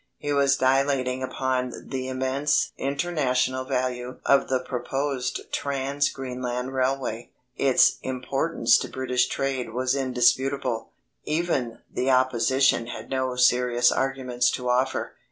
He was dilating upon the immense international value of the proposed Trans Greenland Railway. Its importance to British trade was indisputable; even the opposition had no serious arguments to offer.